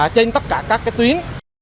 trên tất cả các tuyến